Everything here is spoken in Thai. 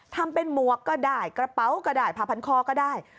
ทำเป็นหมวกก็ได้กระเป๋าก็ได้ผ้าพันคอก็ได้